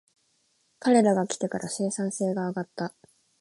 彼らが来てから生産性が上がった